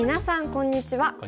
こんにちは。